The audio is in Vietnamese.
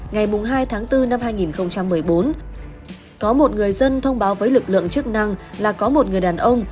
ngày hai tháng bốn năm hai nghìn một mươi bốn có một người dân thông báo với lực lượng chức năng là có một người đàn ông